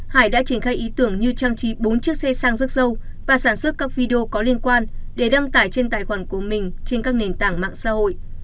hải đã triển khai ý tưởng như trang trí bốn chiếc xe sang rước sâu và sản xuất các video có liên quan để đăng tải trên tài khoản của mình trên các nền tảng mạng xã hội